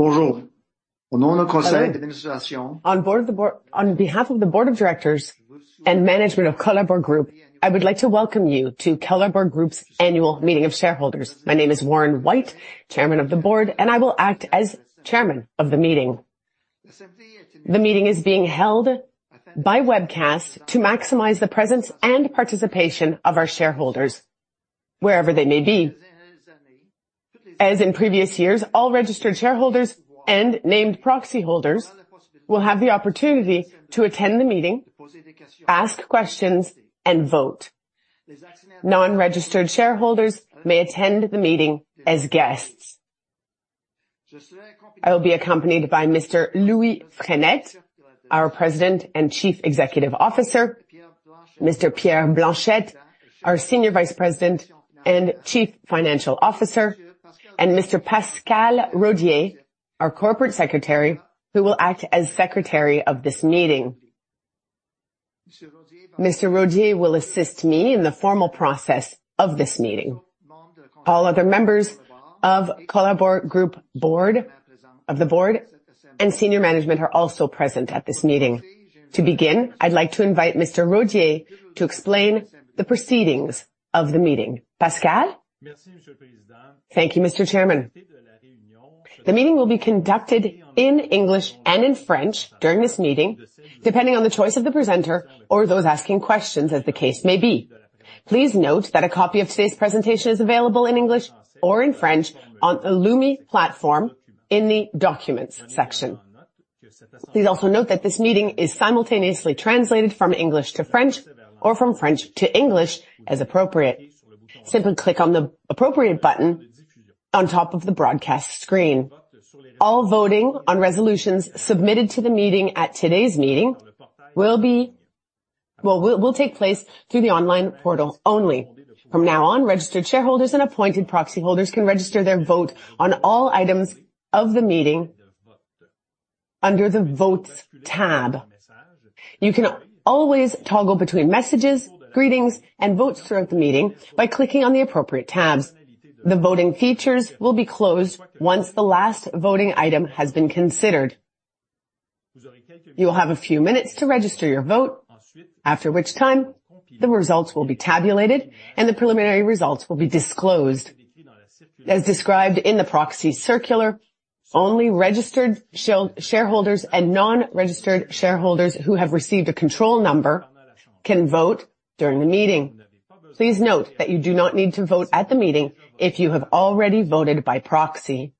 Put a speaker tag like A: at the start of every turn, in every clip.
A: Bonjour. On behalf of the board of directors and management of Colabor Group, I would like to welcome you to Colabor Group's annual meeting of shareholders. My name is Warren White, Chairman of the Board, and I will act as chairman of the meeting. The meeting is being held by webcast to maximize the presence and participation of our shareholders, wherever they may be. As in previous years, all registered shareholders and named proxy holders will have the opportunity to attend the meeting, ask questions, and vote. Non-registered shareholders may attend the meeting as guests. I will be accompanied by Mr. Louis Frenette, our President and Chief Executive Officer, Mr. Pierre Blanchette, our Senior Vice President and Chief Financial Officer, and Mr. Pascal Rodier, our Corporate Secretary, who will act as Secretary of this meeting. Mr. Rodier will assist me in the formal process of this meeting. All other members of Colabor Group board, of the board and senior management are also present at this meeting. To begin, I'd like to invite Mr. Rodier to explain the proceedings of the meeting. Pascal? Thank you, Mr. Chairman. The meeting will be conducted in English and in French during this meeting, depending on the choice of the presenter or those asking questions as the case may be. Please note that a copy of today's presentation is available in English or in French on the Lumi platform in the documents section. Please also note that this meeting is simultaneously translated from English to French or from French to English as appropriate. Simply click on the appropriate button on top of the broadcast screen. All voting on resolutions submitted to the meeting at today's meeting will take place through the online portal only. From now on, registered shareholders and appointed proxy holders can register their vote on all items of the meeting under the votes tab. You can always toggle between messages, greetings, and votes throughout the meeting by clicking on the appropriate tabs. The voting features will be closed once the last voting item has been considered. You will have a few minutes to register your vote, after which time the results will be tabulated and the preliminary results will be disclosed. As described in the proxy circular, only registered shareholders and non-registered shareholders who have received a control number can vote during the meeting. Please note that you do not need to vote at the meeting if you have already voted by proxy.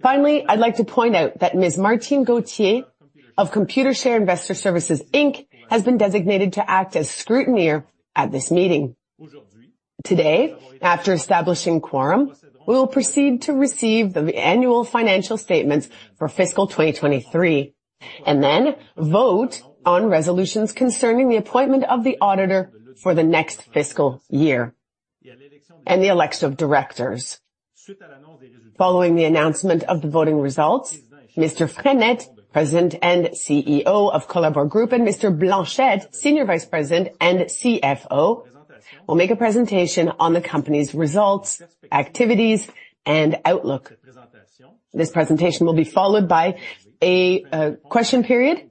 A: Finally, I'd like to point out that Ms. Martine Gauthier of Computershare Investor Services Inc. has been designated to act as scrutineer at this meeting. Today, after establishing quorum, we will proceed to receive the annual financial statements for fiscal 2023, and then vote on resolutions concerning the appointment of the auditor for the next fiscal year and the election of directors. Following the announcement of the voting results, Mr. Frenette, President and CEO of Colabor Group, and Mr. Blanchette, Senior Vice President and CFO, will make a presentation on the company's results, activities, and outlook. This presentation will be followed by a question period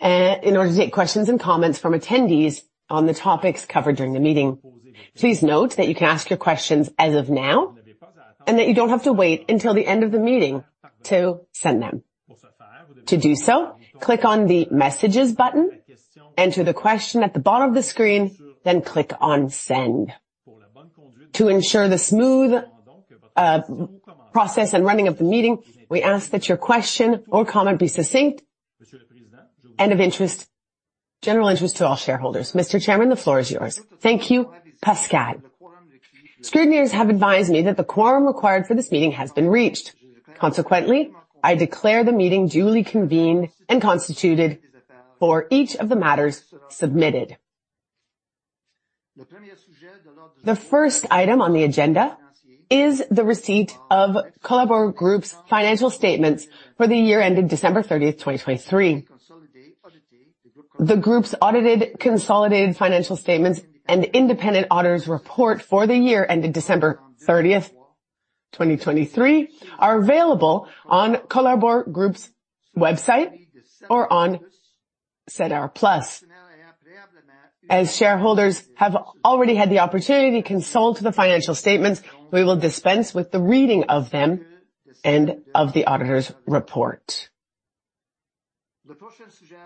A: in order to take questions and comments from attendees on the topics covered during the meeting. Please note that you can ask your questions as of now, and that you don't have to wait until the end of the meeting to send them. To do so, click on the Messages button, enter the question at the bottom of the screen, then click on Send. To ensure the smooth process and running of the meeting, we ask that your question or comment be succinct and of interest, general interest to all shareholders. Mr. Chairman, the floor is yours. Thank you, Pascal. Scrutineers have advised me that the quorum required for this meeting has been reached. Consequently, I declare the meeting duly convened and constituted for each of the matters submitted. The first item on the agenda is the receipt of Colabor Group's financial statements for the year ending December 30th, 2023. The group's audited consolidated financial statements and independent auditors' report for the year ended December 30th, 2023, are available on Colabor Group's website or on SEDAR+. As shareholders have already had the opportunity to consult the financial statements, we will dispense with the reading of them and of the auditors' report.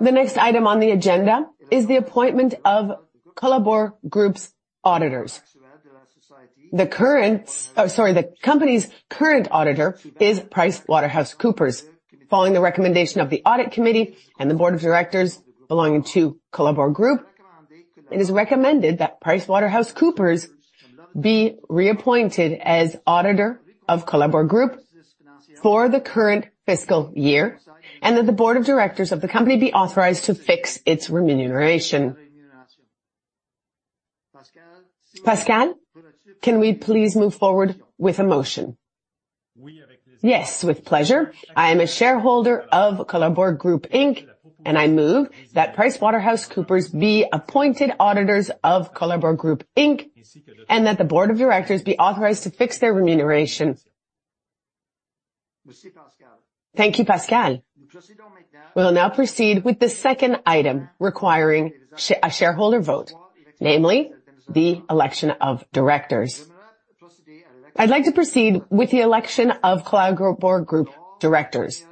A: The next item on the agenda is the appointment of Colabor Group's auditors. Oh, sorry, the company's current auditor is PricewaterhouseCoopers. Following the recommendation of the Audit Committee and the board of directors belonging to Colabor Group, it is recommended that PricewaterhouseCoopers be reappointed as auditor of Colabor Group for the current fiscal year, and that the board of directors of the company be authorized to fix its remuneration. Pascal, can we please move forward with a motion? Yes, with pleasure. I am a shareholder of Colabor Group Inc. I move that PricewaterhouseCoopers be appointed auditors of Colabor Group Inc., and that the board of directors be authorized to fix their remuneration. Thank you, Pascal. We'll now proceed with the second item, requiring a shareholder vote, namely the election of directors. I'd like to proceed with the election of Colabor Group directors.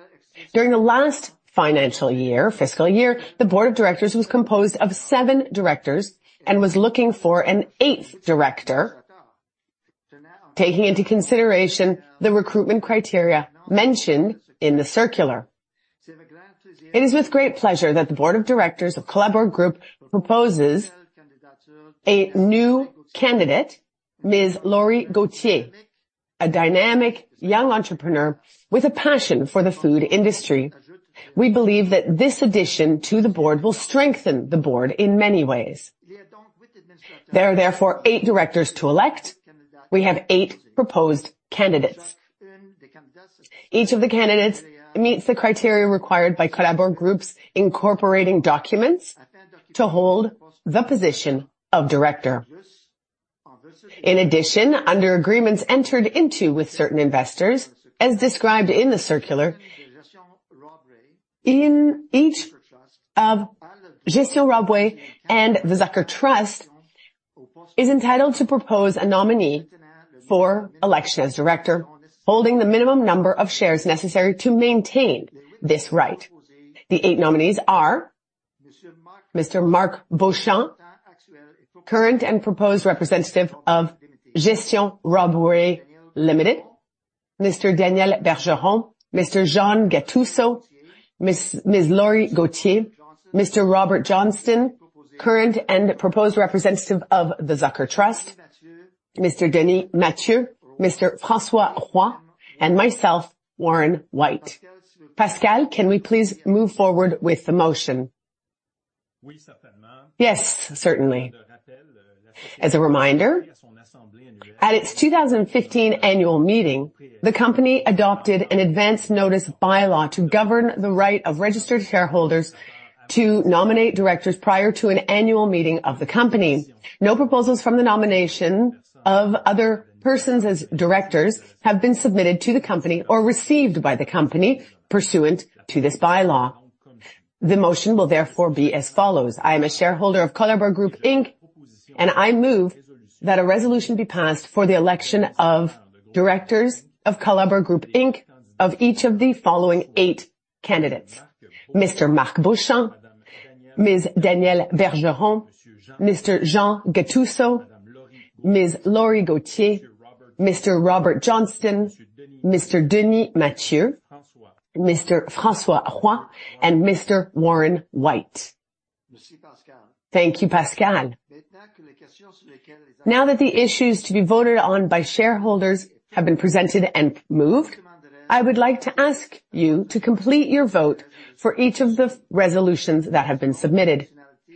A: During the last financial year, fiscal year, the board of directors was composed of seven directors and was looking for an eighth director. Taking into consideration the recruitment criteria mentioned in the circular, it is with great pleasure that the board of directors of Colabor Group proposes a new candidate, Ms. Laurie Gauthier, a dynamic young entrepreneur with a passion for the food industry. We believe that this addition to the board will strengthen the board in many ways. There are therefore eight directors to elect. We have eight proposed candidates. Each of the candidates meets the criteria required by Colabor Group's incorporating documents to hold the position of director. In addition, under agreements entered into with certain investors, as described in the circular, each of Gestion Robway Limited and The Zucker Trust is entitled to propose a nominee for election as director, holding the minimum number of shares necessary to maintain this right. The eight nominees are Mr. Marc Beauchamp, current and proposed representative of Gestion Robway Limited, Mr. Jean Gattuso, Ms. Danièle Bergeron, Ms. Laurie Gauthier, Mr. Robert Johnston, current and proposed representative of The Zucker Trust, Mr. Denis Mathieu, Mr. François Roy, and myself, Warren White. Pascal, can we please move forward with the motion? Yes, certainly. As a reminder, at its 2015 annual meeting, the company adopted an advance notice bylaw to govern the right of registered shareholders to nominate directors prior to an annual meeting of the company. No proposals from the nomination of other persons as directors have been submitted to the company or received by the company pursuant to this bylaw. The motion will therefore be as follows: I am a shareholder of Colabor Group Inc., and I move that a resolution be passed for the election of directors of Colabor Group Inc. of each of the following 8 candidates: Mr. Marc Beauchamp, Ms. Danièle Bergeron, Mr. Jean Gattuso, Ms. Laurie Gauthier, Mr. Robert Johnston, Mr. Denis Mathieu, Mr. François Roy, and Mr. Warren White. Thank you, Pascal. Now that the issues to be voted on by shareholders have been presented and moved, I would like to ask you to complete your vote for each of the resolutions that have been submitted.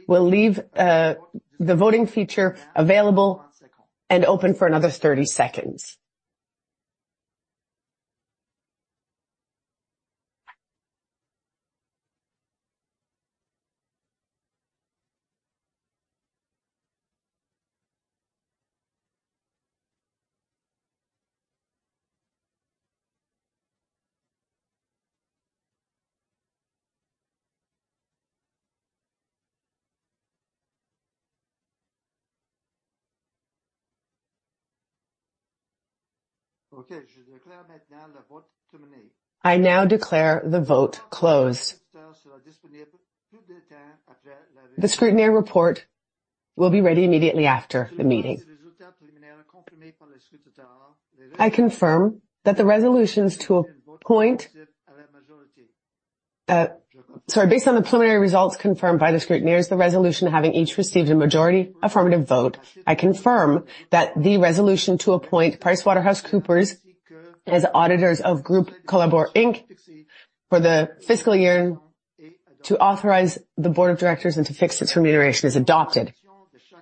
A: We'll leave, the voting feature available and open for another 30 seconds. I now declare the vote closed. The scrutineer report will be ready immediately after the meeting. Based on the preliminary results confirmed by the scrutineers, the resolution having each received a majority affirmative vote, I confirm that the resolution to appoint PricewaterhouseCoopers as auditors of Colabor Group Inc. for the fiscal year, to authorize the board of directors and to fix its remuneration, is adopted.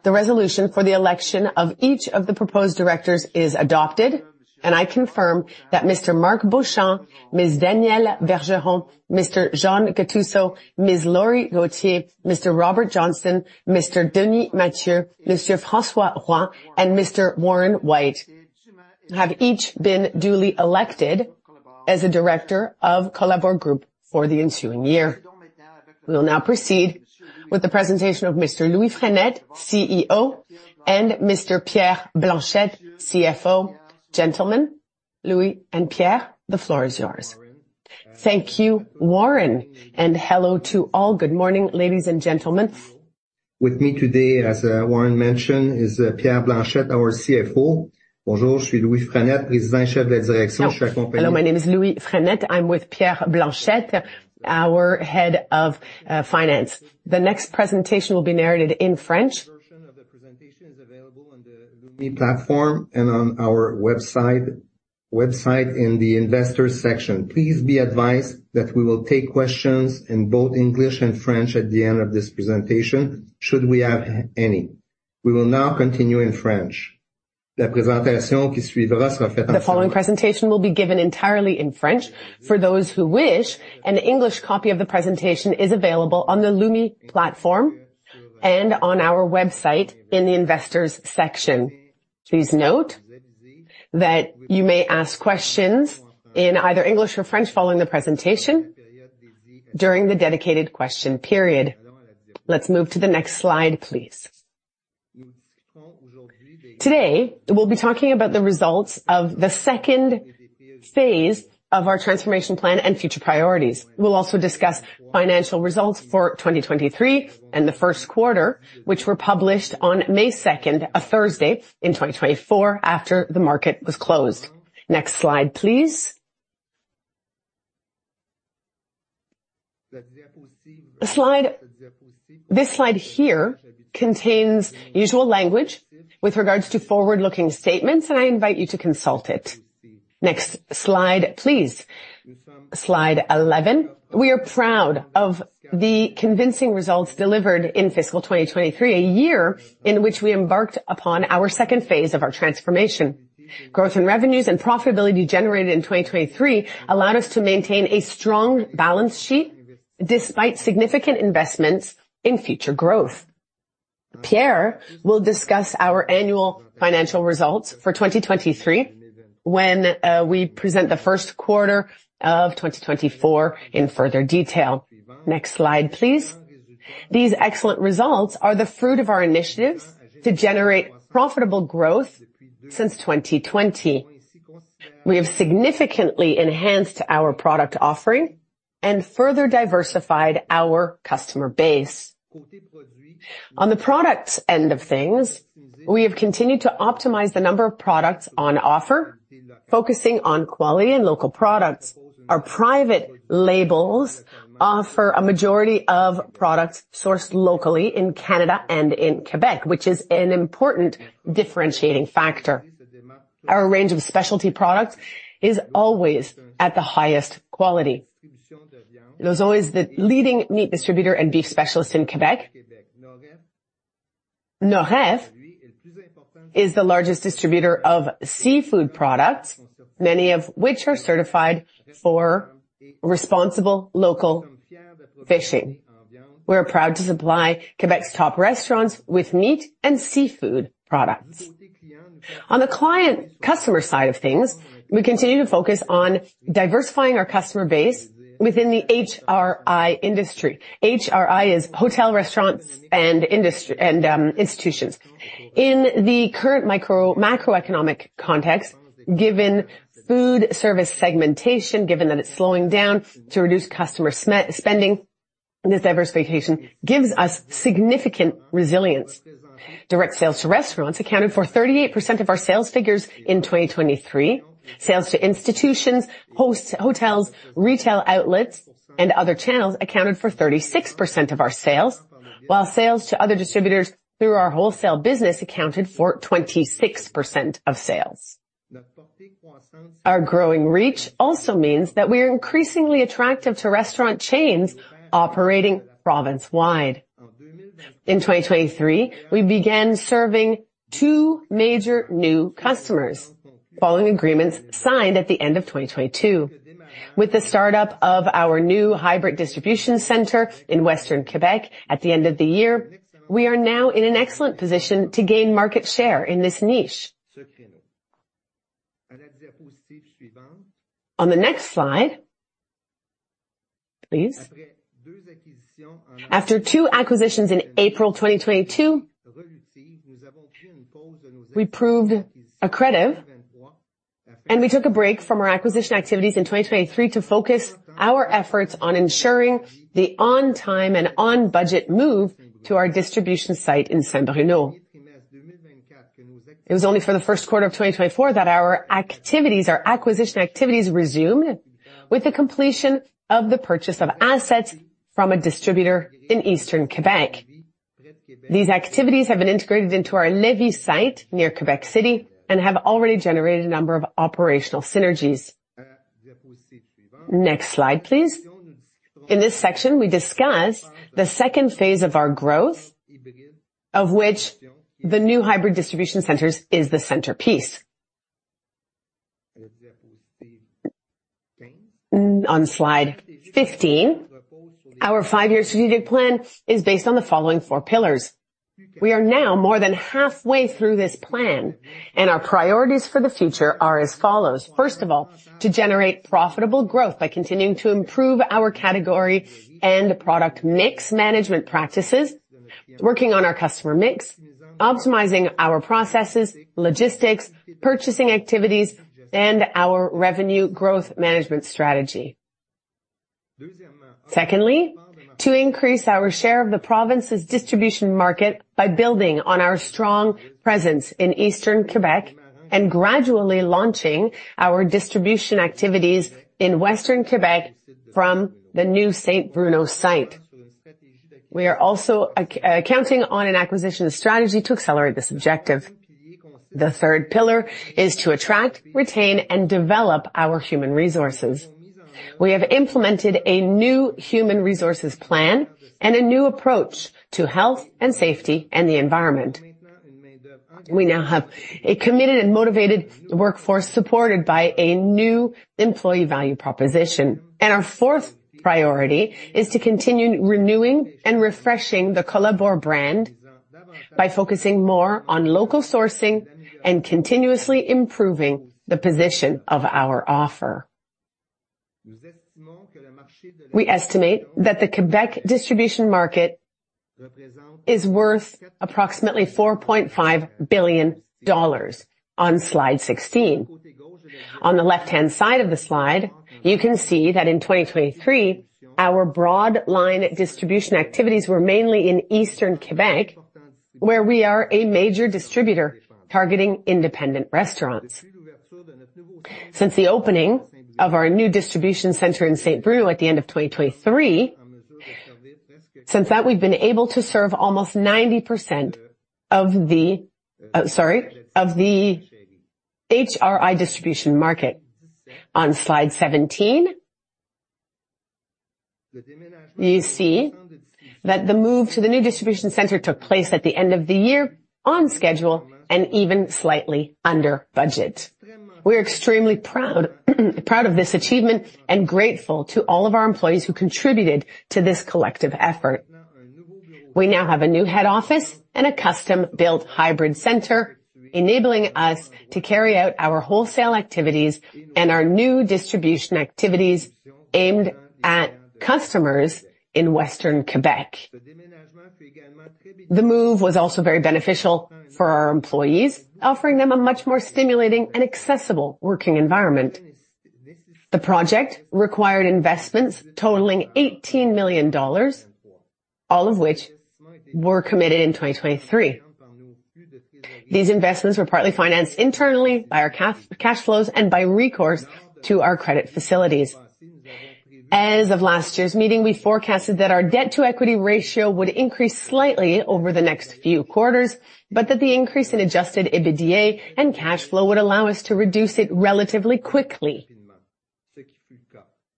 A: The resolution for the election of each of the proposed directors is adopted, and I confirm that Mr. Marc Beauchamp, Ms. Danièle Bergeron, Mr. Jean Gattuso, Ms. Laurie Gauthier, Mr. Robert Johnston, Mr. Denis Mathieu, Monsieur François Roy, and Mr. Warren White, have each been duly elected as a director of Colabor Group for the ensuing year. We will now proceed with the presentation of Mr. Louis Frenette, CEO, and Mr. Pierre Blanchette, CFO. Gentlemen, Louis and Pierre, the floor is yours.
B: Thank you, Warren, and hello to all. Good morning, ladies and gentlemen. With me today, as Warren mentioned, is Pierre Blanchette, our CFO.
A: Hello, my name is Louis Frenette. I'm with Pierre Blanchette, our head of finance. The next presentation will be narrated in French.
B: Version of the presentation is available on the Lumi platform and on our website, website in the investors section. Please be advised that we will take questions in both English and French at the end of this presentation, should we have any. We will now continue in French....
A: The following presentation will be given entirely in French. For those who wish, an English copy of the presentation is available on the Lumi platform and on our website in the Investors section. Please note that you may ask questions in either English or French following the presentation during the dedicated question period. Let's move to the next slide, please. Today, we'll be talking about the results of the second phase of our transformation plan and future priorities. We'll also discuss financial results for 2023 and the first quarter, which were published on May 2nd, a Thursday, in 2024, after the market was closed. Next slide, please. This slide here contains usual language with regards to forward-looking statements, and I invite you to consult it. Next slide, please. Slide 11. We are proud of the convincing results delivered in fiscal 2023, a year in which we embarked upon our second phase of our transformation. Growth in revenues and profitability generated in 2023 allowed us to maintain a strong balance sheet despite significant investments in future growth. Pierre will discuss our annual financial results for 2023 when, we present the first quarter of 2024 in further detail. Next slide, please. These excellent results are the fruit of our initiatives to generate profitable growth since 2020. We have significantly enhanced our product offering and further diversified our customer base. On the product end of things, we have continued to optimize the number of products on offer, focusing on quality and local products. Our private labels offer a majority of products sourced locally in Canada and in Quebec, which is an important differentiating factor. Our range of specialty products is always at the highest quality. Lauzon is the leading meat distributor and beef specialist in Quebec. Norref is the largest distributor of seafood products, many of which are certified for responsible local fishing. We're proud to supply Quebec's top restaurants with meat and seafood products. On the client customer side of things, we continue to focus on diversifying our customer base within the HRI industry. HRI is hotels, restaurants, and institutions. In the current micro, macroeconomic context, given food service segmentation, given that it's slowing down to reduce customer spending, this diversification gives us significant resilience. Direct sales to restaurants accounted for 38% of our sales figures in 2023. Sales to institutions, hosts, hotels, retail outlets, and other channels accounted for 36% of our sales, while sales to other distributors through our wholesale business accounted for 26% of sales. Our growing reach also means that we are increasingly attractive to restaurant chains operating province-wide. In 2023, we began serving two major new customers following agreements signed at the end of 2022. With the startup of our new hybrid distribution center in Western Quebec at the end of the year, we are now in an excellent position to gain market share in this niche. On the next slide, please. After two acquisitions in April 2022, we proved accretive, and we took a break from our acquisition activities in 2023 to focus our efforts on ensuring the on-time and on-budget move to our distribution site in Saint-Bruno. It was only for the first quarter of 2024 that our activities, our acquisition activities resumed with the completion of the purchase of assets from a distributor in Eastern Quebec. These activities have been integrated into our Lévis site near Quebec City and have already generated a number of operational synergies. Next slide, please. In this section, we discuss the second phase of our growth, of which the new hybrid distribution centers is the centerpiece. On slide 15, our five-year strategic plan is based on the following four pillars. We are now more than halfway through this plan, and our priorities for the future are as follows: First of all, to generate profitable growth by continuing to improve our category and product mix management practices, working on our customer mix, optimizing our processes, logistics, purchasing activities, and our revenue growth management strategy. Secondly, to increase our share of the province's distribution market by building on our strong presence in eastern Quebec and gradually launching our distribution activities in western Quebec from the new Saint-Bruno site. We are also counting on an acquisition strategy to accelerate this objective. The third pillar is to attract, retain, and develop our human resources.... We have implemented a new human resources plan and a new approach to health and safety and the environment. We now have a committed and motivated workforce, supported by a new employee value proposition. And our fourth priority is to continue renewing and refreshing the Colabor brand, by focusing more on local sourcing and continuously improving the position of our offer. We estimate that the Quebec distribution market is worth approximately 4.5 billion dollars, on slide 16. On the left-hand side of the slide, you can see that in 2023, our broad line distribution activities were mainly in eastern Quebec, where we are a major distributor, targeting independent restaurants. Since the opening of our new distribution center in Saint-Bruno at the end of 2023, since that, we've been able to serve almost 90% of the HRI distribution market. On Slide 17, you see that the move to the new distribution center took place at the end of the year, on schedule and even slightly under budget. We're extremely proud, proud of this achievement, and grateful to all of our employees who contributed to this collective effort. We now have a new head office and a custom-built hybrid center, enabling us to carry out our wholesale activities and our new distribution activities aimed at customers in western Quebec. The move was also very beneficial for our employees, offering them a much more stimulating and accessible working environment. The project required investments totaling 18 million dollars, all of which were committed in 2023. These investments were partly financed internally by our cash flows and by recourse to our credit facilities. As of last year's meeting, we forecasted that our debt-to-equity ratio would increase slightly over the next few quarters, but that the increase in Adjusted EBITDA and cash flow would allow us to reduce it relatively quickly,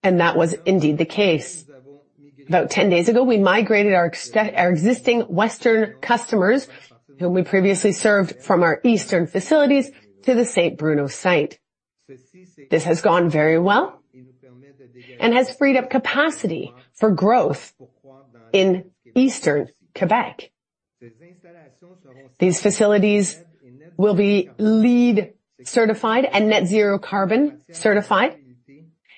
A: and that was indeed the case. About 10 days ago, we migrated our existing western customers, whom we previously served from our eastern facilities, to the Saint-Bruno site. This has gone very well and has freed up capacity for growth in eastern Quebec. These facilities will be LEED certified and net zero carbon certified,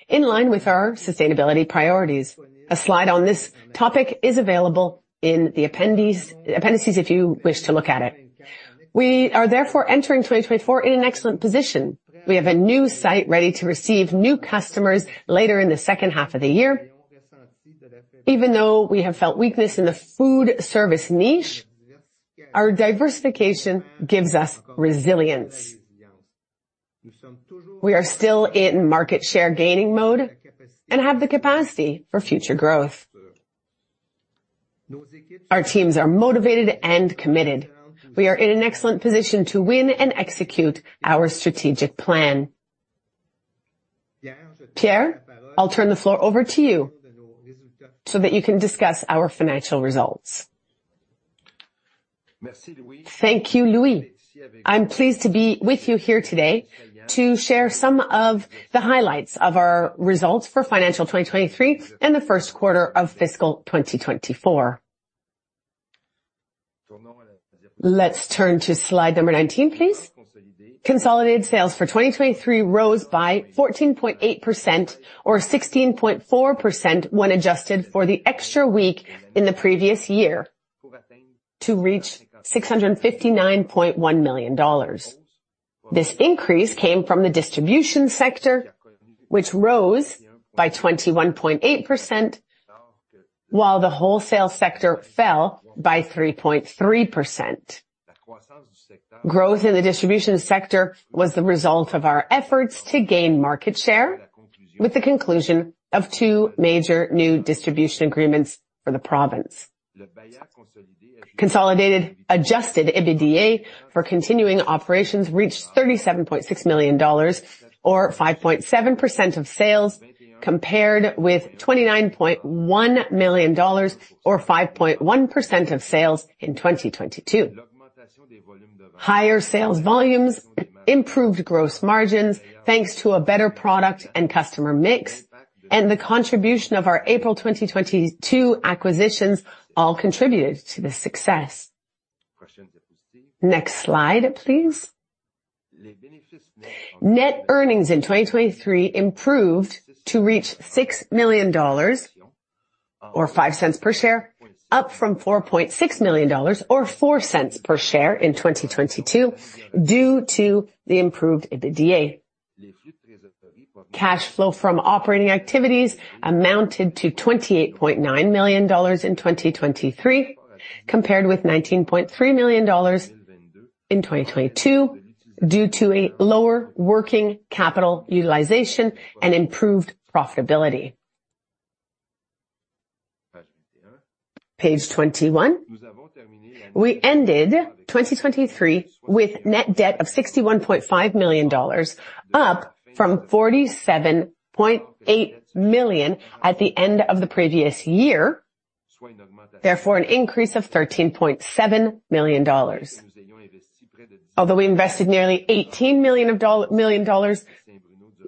A: in line with our sustainability priorities. A slide on this topic is available in the appendices, if you wish to look at it. We are therefore entering 2024 in an excellent position. We have a new site ready to receive new customers later in the second half of the year. Even though we have felt weakness in the food service niche, our diversification gives us resilience. We are still in market share gaining mode and have the capacity for future growth. Our teams are motivated and committed. We are in an excellent position to win and execute our strategic plan. Pierre, I'll turn the floor over to you, so that you can discuss our financial results. Thank you, Louis. I'm pleased to be with you here today to share some of the highlights of our results for fiscal 2023 and the first quarter of fiscal 2024. Let's turn to slide number 19, please. Consolidated sales for 2023 rose by 14.8% or 16.4% when adjusted for the extra week in the previous year, to reach 659.1 million dollars. This increase came from the distribution sector, which rose by 21.8%, while the wholesale sector fell by 3.3%. Growth in the distribution sector was the result of our efforts to gain market share, with the conclusion of two major new distribution agreements for the province. Consolidated Adjusted EBITDA for continuing operations reached 37.6 million dollars, or 5.7% of sales, compared with 29.1 million dollars or 5.1% of sales in 2022. Higher sales volumes, improved gross margins, thanks to a better product and customer mix, and the contribution of our April 2022 acquisitions, all contributed to this success. Next slide, please. Net earnings in 2023 improved to reach 6 million dollars or 0.05 per share, up from 4.6 million dollars or 0.04 per share in 2022, due to the improved EBITDA. Cash flow from operating activities amounted to 28.9 million dollars in 2023, compared with 19.3 million dollars in 2022, due to a lower working capital utilization and improved profitability.... Page 21. We ended 2023 with net debt of 61.5 million dollars, up from 47.8 million at the end of the previous year, therefore, an increase of 13.7 million dollars. Although we invested nearly 18 million dollars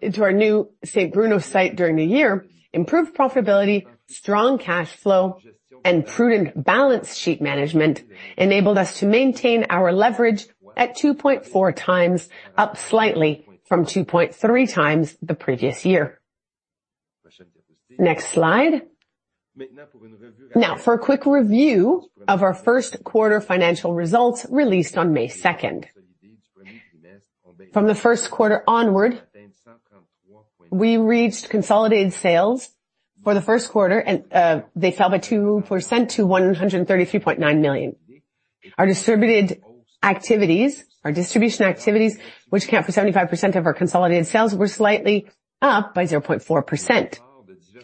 A: into our new Saint-Bruno site during the year, improved profitability, strong cash flow, and prudent balance sheet management enabled us to maintain our leverage at 2.4 times, up slightly from 2.3 times the previous year. Next slide. Now, for a quick review of our first quarter financial results released on May 2nd. From the first quarter onward, we reached consolidated sales for the first quarter, and, they fell by 2% to 133.9 million. Our distribution activities, which account for 75% of our consolidated sales, were slightly up by 0.4%.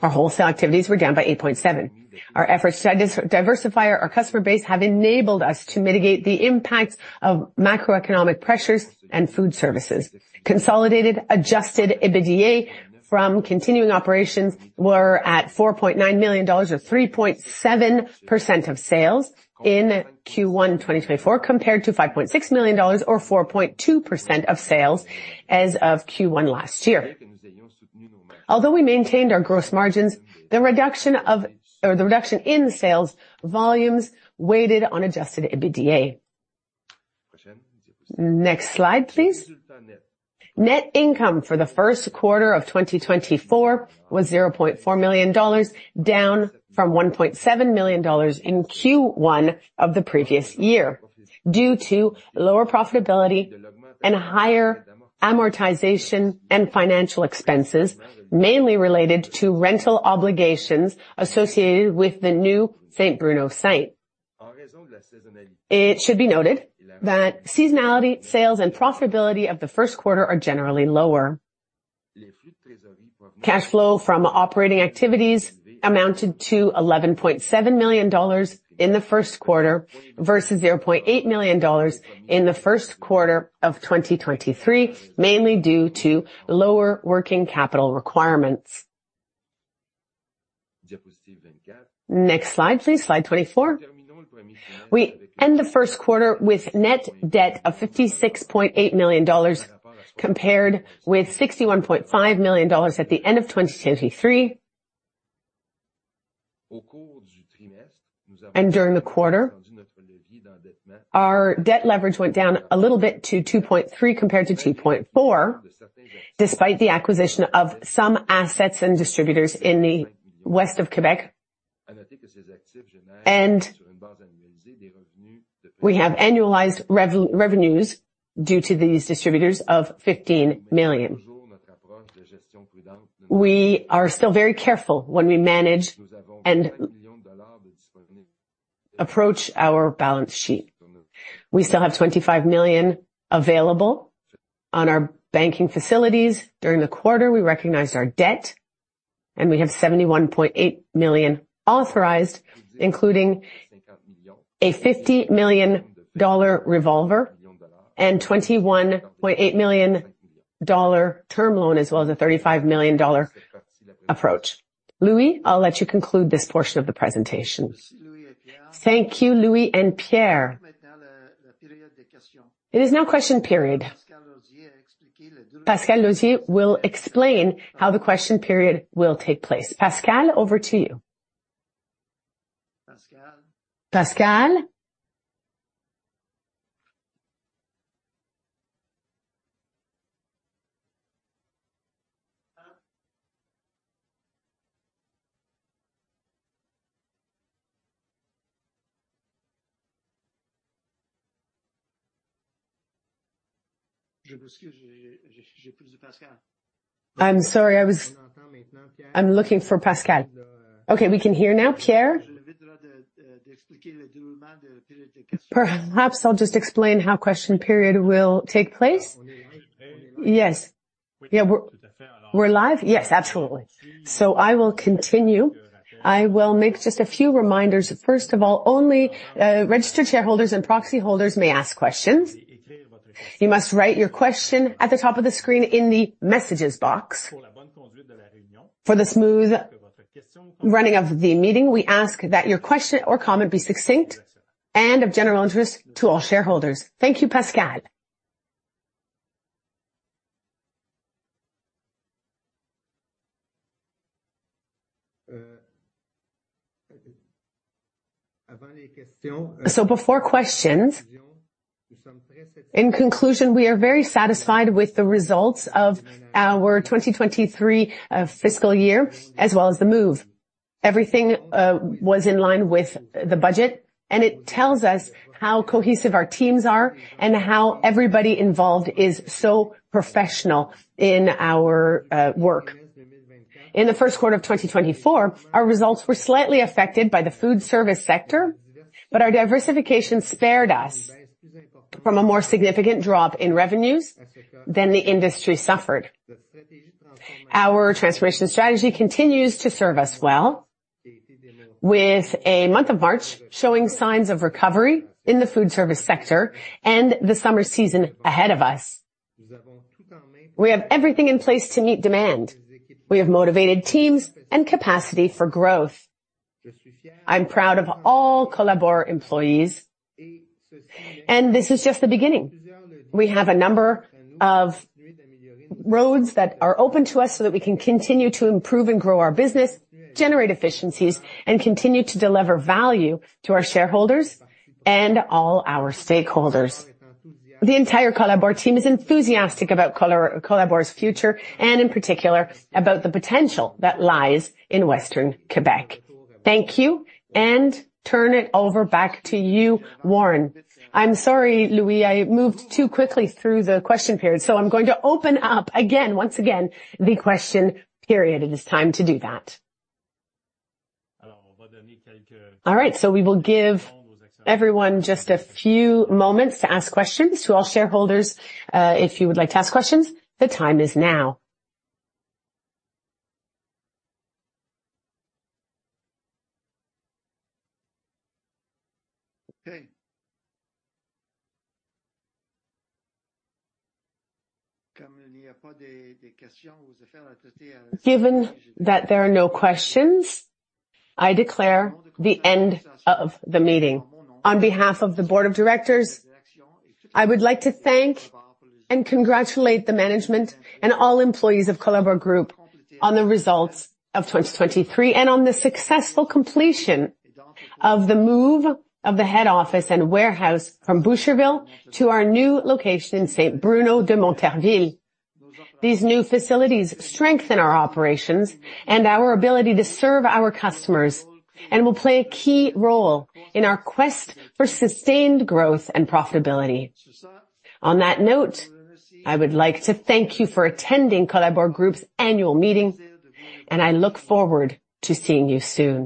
A: Our wholesale activities were down by 8.7%. Our efforts to diversify our customer base have enabled us to mitigate the impact of macroeconomic pressures and food services. Consolidated Adjusted EBITDA from continuing operations were at 4.9 million dollars, or 3.7% of sales in Q1 2024, compared to 5.6 million dollars, or 4.2% of sales as of Q1 last year. Although we maintained our gross margins, the reduction in sales volumes weighted on Adjusted EBITDA. Next slide, please. Net income for the first quarter of 2024 was 0.4 million dollars, down from 1.7 million dollars in Q1 of the previous year, due to lower profitability and higher amortization and financial expenses, mainly related to rental obligations associated with the new Saint-Bruno site. It should be noted that seasonality, sales, and profitability of the first quarter are generally lower. Cash flow from operating activities amounted to 11.7 million dollars in the first quarter, versus 0.8 million dollars in the first quarter of 2023, mainly due to lower working capital requirements. Next slide, please. Slide 24. We end the first quarter with net debt of 56.8 million dollars, compared with 61.5 million dollars at the end of 2023. During the quarter, our debt leverage went down a little bit to 2.3, compared to 2.4, despite the acquisition of some assets and distributors in the west of Quebec. We have annualized revenues due to these distributors of 15 million. We are still very careful when we manage and approach our balance sheet. We still have 25 million available on our banking facilities. During the quarter, we recognized our debt, and we have 71.8 million authorized, including a 50 million dollar revolver and 21.8 million dollar term loan, as well as a 35 million dollar approach. Louis, I'll let you conclude this portion of the presentation. Thank you, Louis and Pierre. It is now question period. Pascal Rodier will explain how the question period will take place. Pascal, over to you. Pascal? Pascal? I'm sorry, I was... I'm looking for Pascal. Okay, we can hear now, Pierre. Perhaps I'll just explain how question period will take place. Yes. Yeah, we're, we're live? Yes, absolutely. So I will continue. I will make just a few reminders. First of all, only registered shareholders and proxy holders may ask questions. You must write your question at the top of the screen in the messages box. For the smooth running of the meeting, we ask that your question or comment be succinct and of general interest to all shareholders. Thank you, Pascal. So before questions, in conclusion, we are very satisfied with the results of our 2023 fiscal year, as well as the move. Everything was in line with the budget, and it tells us how cohesive our teams are and how everybody involved is so professional in our work. In the first quarter of 2024, our results were slightly affected by the food service sector, but our diversification spared us from a more significant drop in revenues than the industry suffered. Our transformation strategy continues to serve us well, with a month of March showing signs of recovery in the food service sector and the summer season ahead of us. We have everything in place to meet demand. We have motivated teams and capacity for growth. I'm proud of all Colabor employees, and this is just the beginning. We have a number of roads that are open to us so that we can continue to improve and grow our business, generate efficiencies, and continue to deliver value to our shareholders and all our stakeholders. The entire Colabor team is enthusiastic about Colabor's future, and in particular, about the potential that lies in Western Quebec. Thank you, and turn it over back to you, Warren. I'm sorry, Louis, I moved too quickly through the question period, so I'm going to open up again, once again, the question period. It is time to do that. All right, so we will give everyone just a few moments to ask questions. To all shareholders, if you would like to ask questions, the time is now. Okay. Given that there are no questions, I declare the end of the meeting. On behalf of the board of directors, I would like to thank and congratulate the management and all employees of Colabor Group on the results of 2023 and on the successful completion of the move of the head office and warehouse from Boucherville to our new location in Saint-Bruno-de-Montarville. These new facilities strengthen our operations and our ability to serve our customers, and will play a key role in our quest for sustained growth and profitability. On that note, I would like to thank you for attending Colabor Group's annual meeting, and I look forward to seeing you soon.